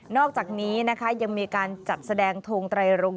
อกจากนี้นะคะยังมีการจัดแสดงทงไตรรง